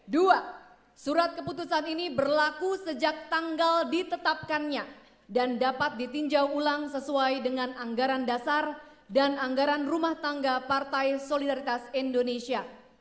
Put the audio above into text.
dua surat keputusan ini berlaku sejak tanggal ditetapkannya dan dapat ditinjau ulang sesuai dengan anggaran dasar dan anggaran rumah tangga partai solidaritas indonesia